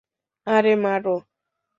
আরে, মার!